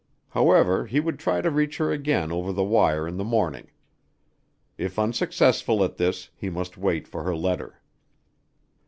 However, he would try to reach her again over the wire in the morning. If unsuccessful at this, he must wait for her letter.